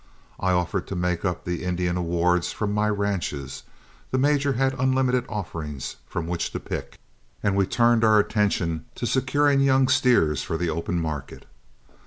I offered to make up the Indian awards from my ranches, the major had unlimited offerings from which to pick, and we turned our attention to securing young steers for the open market.